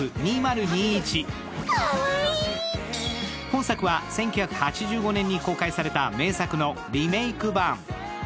本作は１９８５年公開された名作のリメイク版。